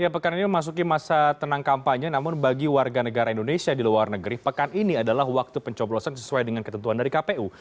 pekan ini memasuki masa tenang kampanye namun bagi warga negara indonesia di luar negeri pekan ini adalah waktu pencoblosan sesuai dengan ketentuan dari kpu